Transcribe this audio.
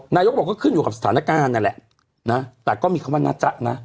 นายกบอกก็ขึ้นอยู่กับสถานการณ์นั่นแหละนะแต่ก็มีคำว่านะจ๊ะนะ